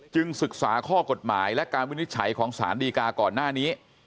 ศึกษาข้อกฎหมายและการวินิจฉัยของสารดีกาก่อนหน้านี้